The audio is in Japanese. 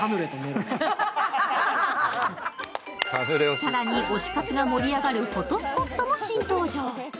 更に、推し活が盛り上がるフォトスポットも登場。